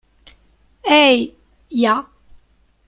Hey Ya!